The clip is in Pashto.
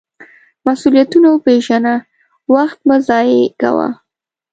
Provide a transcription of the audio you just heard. مسؤلیتونه وپیژنه، وخت مه ضایغه کوه.